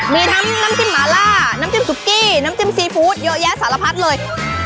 มีทั้งน้ำจิ้มหมาล่าน้ำจิ้มซุกี้น้ำจิ้มซีฟู้ดเยอะแยะสารพัดเลย